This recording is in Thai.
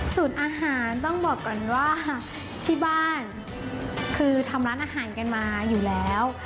ส่วนอาหารต้องบอกก่อนว่าที่บ้านคือทำร้านอาหารกันมาอยู่แล้ว